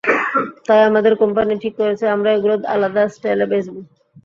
তাই আমাদের কোম্পানি ঠিক করেছে, আমরা এগুলো আলাদা স্টাইলে বেচবো।